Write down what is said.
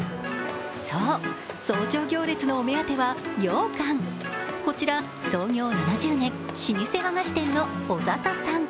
そう、早朝行列のお目当ては羊羹こちら創業７０年、老舗和菓子店の小ざささん。